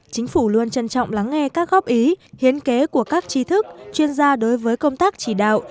chính phủ luôn trân trọng lắng nghe các góp ý hiến kế của các tri thức chuyên gia đối với công tác chỉ đạo